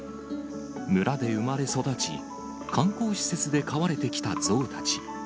村で生まれ育ち、観光施設で飼われてきたゾウたち。